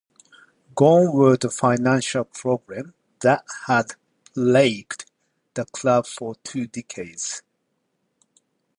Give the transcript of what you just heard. Gone were the financial problems that had plagued the club for two decades.